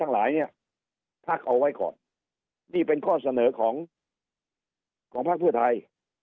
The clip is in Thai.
เอาไว้ก่อนเป็นข้อเสนอของของภาคท่วดไทย